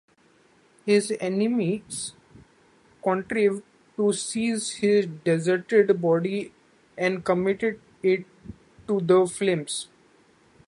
His enemies contrived to seize his deserted body and committed it to the flames.